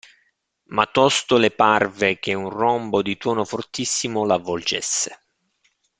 Ma tosto le parve che un rombo di tuono fortissimo l'avvolgesse.